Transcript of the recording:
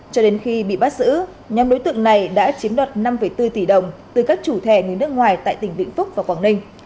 cho đến khi bị bắt giữ nhóm đối tượng này đã chiếm đoạt năm bốn tỷ đồng từ các chủ thẻ người nước ngoài tại tỉnh vĩnh phúc và quảng ninh